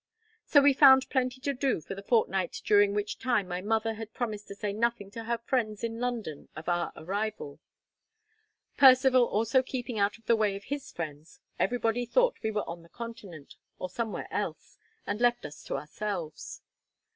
So we found plenty to do for the fortnight during which time my mother had promised to say nothing to her friends in London of our arrival. Percivale also keeping out of the way of his friends, everybody thought we were on the Continent, or somewhere else, and left us to ourselves.